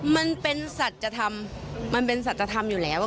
มันเป็นสัจธรรมมันเป็นสัจธรรมอยู่แล้ว